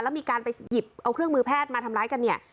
แล้วมีการไปหยิบเอาเครื่องมือแพทย์มาทำร้ายกันเนี่ย